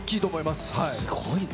すごいね。